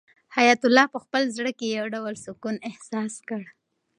حیات الله په خپل زړه کې یو ډول سکون احساس کړ.